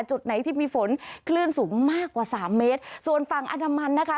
จุดไหนที่มีฝนคลื่นสูงมากกว่าสามเมตรส่วนฝั่งอันดามันนะคะ